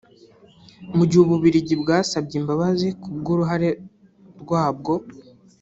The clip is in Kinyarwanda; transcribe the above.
Mu gihe u Bubiligi bwasabye imbabazi ku bw’uruhare rwabwo